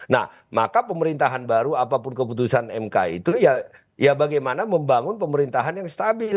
nah maka pemerintahan baru apapun keputusan mk itu ya bagaimana membangun pemerintahan yang stabil